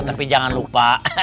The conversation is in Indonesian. tapi jangan lupa